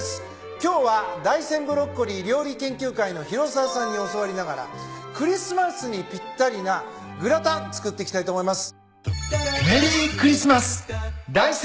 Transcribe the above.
今日は大山ブロッコリー料理研究会の広沢さんに教わりながらクリスマスにぴったりなグラタン作っていきたいと思います。